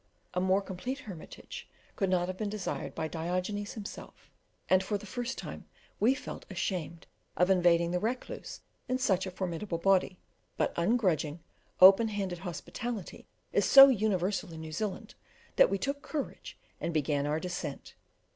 A more complete hermitage could not have been desired by Diogenes himself, and for the first time we felt ashamed of invading the recluse in such a formidable body, but ungrudging, open handed hospitality is so universal in New Zealand that we took courage and began our descent.